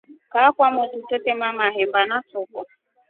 Kaa kwamotu twetema maheba na soko.